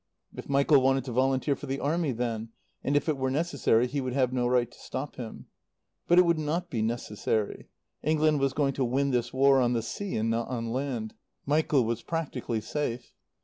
If Michael wanted to volunteer for the Army then, and if it were necessary, he would have no right to stop him. But it would not be necessary. England was going to win this War on the sea and not on land. Michael was practically safe.